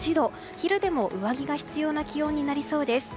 昼でも上着が必要な気温になりそうです。